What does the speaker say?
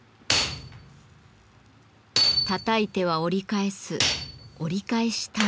たたいては折り返す「折り返し鍛錬」。